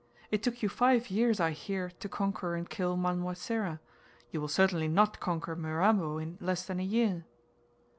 It took you five years, I hear, to conquer and kill Manwa Sera, you will certainly not conquer Mirambo in less than a year.